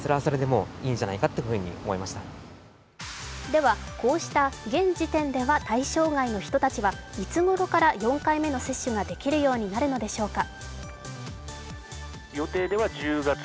では、こうした現時点では対象外の人たちはいつごろから４回目の接種ができるようになるのでしょうか。